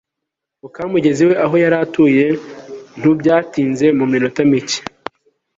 ngo kamugeze iwe aho yari atuye ntubyatinze mu minota mike